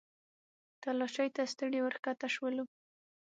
تلاشۍ ته ستړي ورښکته شولو.